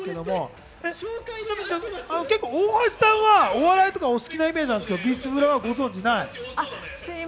大橋さんはお笑いが好きなイメージですけど、ビスブラご存じない？